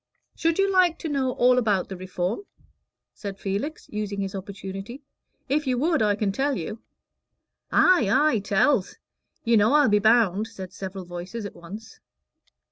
"Should you like to know all about the Reform?" said Felix, using his opportunity. "If you would, I can tell you." "Ay, ay tell's; you know I'll be bound," said several voices at once.